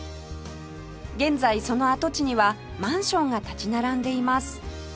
現在その跡地にはマンションが立ち並んでいます